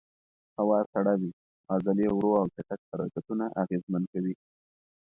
هوا سړه وي، عضلې ورو او چټک حرکتونه اغېزمن کوي.